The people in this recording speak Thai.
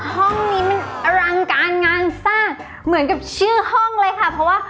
ห้องนี้มันอรังการงานสร้างเหมือนกับชื่อห้องเลยค่ะเพราะว่า